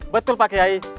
betul pak kiai